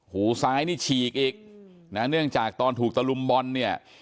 หูซ้ายนี่ฉีกอีกนะเนื่องจากตอนถูกตะลุมบอลเนี่ย